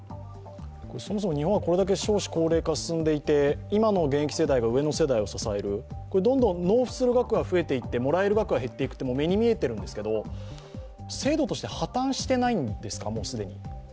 そもそも日本は少子高齢化が進んでいて今の現役世代が上の世代を支えるどんどん納付する額が増えていって、もらえる額が減っていくのは見えてるんですけどもう既に、制度として破綻してないんですか？